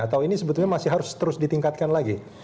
atau ini sebetulnya masih harus terus ditingkatkan lagi